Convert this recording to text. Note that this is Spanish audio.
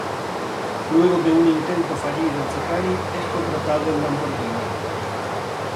Luego de un intento fallido en Ferrari, es contratado en Lamborghini.